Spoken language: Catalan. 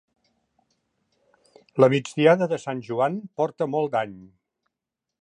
La migdiada de Sant Joan porta molt dany.